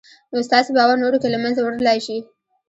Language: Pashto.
نو ستاسې باور نورو کې له منځه وړلای شي